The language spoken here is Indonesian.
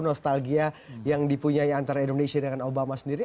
nostalgia yang dipunyai antara indonesia dengan obama sendiri